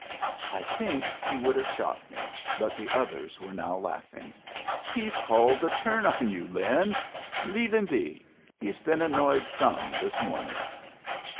I think he would have shot me, but the others were now laughing. "He's called the turn on you, Lem. Leave him be. He's been annoyed some this morning."